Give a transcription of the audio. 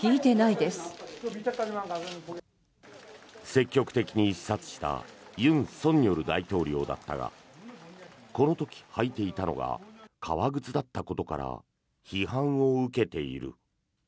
積極的に視察した尹錫悦大統領だったがこの時履いていたのが革靴だったことから批判を受けている。